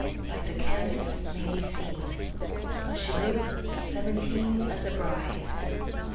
By the canvas may be seenHow she look'd at seventeen, As a bride.